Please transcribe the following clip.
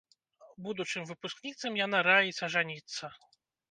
Будучым выпускніцам яна раіць ажаніцца.